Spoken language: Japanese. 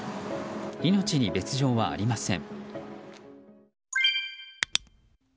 命に別条はありません。